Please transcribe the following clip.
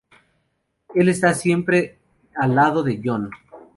Él está siempre al lado de Yoh.